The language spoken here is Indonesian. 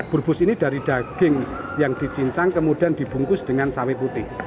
burbus ini dari daging yang dicincang kemudian dibungkus dengan sawi putih